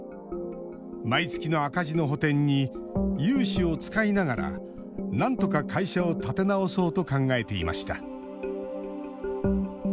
毎月の赤字の補填に融資を使いながらなんとか会社を立て直そうと考えていました。